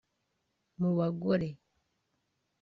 Mu bagore